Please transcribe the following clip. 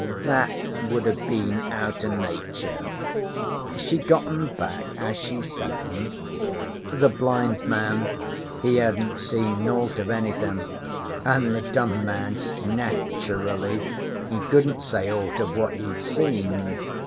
That would have been out o' Nature. She got 'em back as she sent 'em. The blind man he hadn't seen naught of anythin', an' the dumb man nature ally he couldn't say aught of what he'd seen.